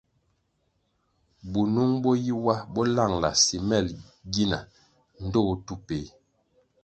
Bunung bo yi wa bo langʼla simel gina pe ndtoh tu peh.